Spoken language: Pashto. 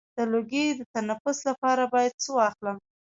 د لوګي د تنفس لپاره باید څه واخلم؟